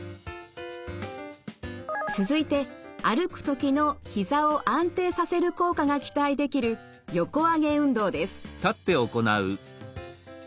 続いて歩くときのひざを安定させる効果が期待できる横上げ運動です。